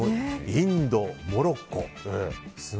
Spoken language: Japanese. インド、モロッコ。